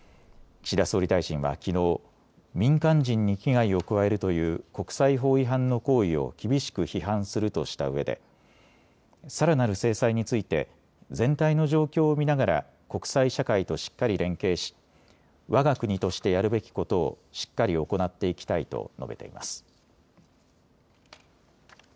岸田総理大臣はきのう、民間人に危害を加えるという国際法違反の行為を厳しく批判するとしたうえでさらなる制裁について全体の状況を見ながら国際社会としっかり連携しわが国としてやるべきことをしっかり行っていきたいと述べています。